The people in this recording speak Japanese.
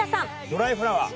『ドライフラワー』。